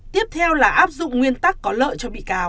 tiếp theo là áp dụng nguyên tắc có lợi cho bị cáo